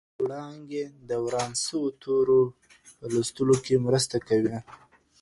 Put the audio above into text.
وړانګې د وران سوو تورو په لوستلو کې مرسته کوي.